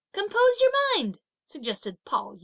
"Compose your mind!" suggested Pao yü.